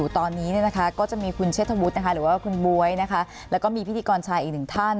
ตอนนี้ก็จะมีคุณเชษฐวุฒิหรือว่าคุณบ๊วยแล้วก็มีพิธีกรชายอีกหนึ่งท่าน